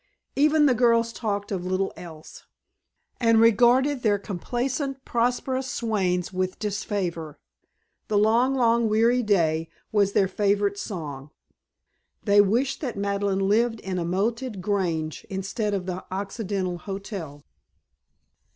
Even the girls talked of little else, and regarded their complacent prosperous swains with disfavor. "The Long Long Weary Day" was their favorite song. They wished that Madeleine lived in a moated grange instead of the Occidental Hotel.